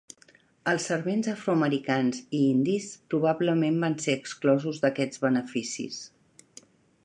Els servents afroamericans i indis probablement van ser exclosos d'aquests beneficis.